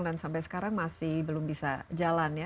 dan sampai sekarang masih belum bisa jalan ya